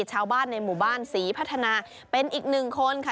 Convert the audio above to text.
ชาวบ้านในหมู่บ้านศรีพัฒนาเป็นอีกหนึ่งคนค่ะ